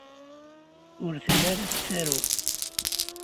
Ur telli ara tettaru.